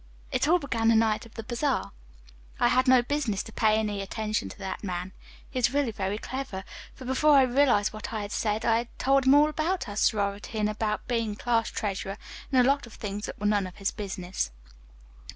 "It all began the night of the bazaar. I had no business to pay any attention to that man. He is really very clever, for before I realized what I had said I had told him all about our sorority and about being class treasurer, and a lot of things that were none of his business.